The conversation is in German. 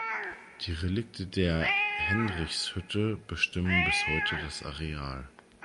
Die Relikte der Henrichshütte bestimmen bis heute das Areal.